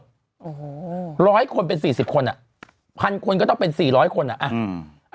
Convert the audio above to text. ร้อยคนเป็น๔๐คนอ่ะพันคนก็ต้องเป็น๔๐๐คนอ่ะ